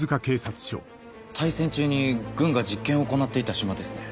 大戦中に軍が実験を行っていた島ですね。